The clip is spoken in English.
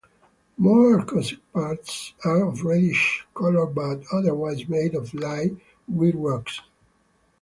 More arkosic parts are of reddish colour but otherwise made of light grey rocks.